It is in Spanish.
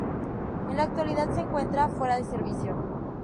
En la actualidad se encuentra fuera de servicio.